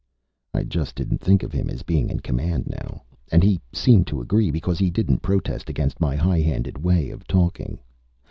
I just didn't think of him as being in command now. And he seemed to agree, because he didn't protest against my high handed way of talking.